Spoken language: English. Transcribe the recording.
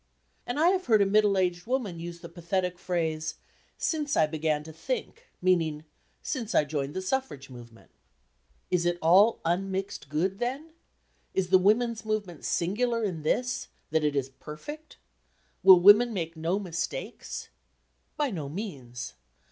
And I have heard a middle aged woman use the pathetic phrase, "Since I began to think," meaning, "Since I joined the suffrage movement." Is it all unmixed good, then? Is the women's movement singular in this, that it is perfect? Will women make no mistakes? By no means.